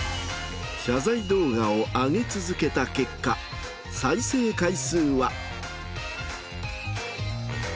謝罪動画を上げ続けた結果再生回数は。